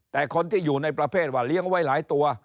แต่คนที่อยู่ในประเภทว่าเลี้ยงไว้หลายตัว